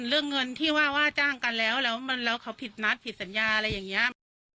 เรื่องเงินที่ว่าว่าจ้างกันแล้วแล้วเขาผิดนัดผิดสัญญาอะไรอย่างนี้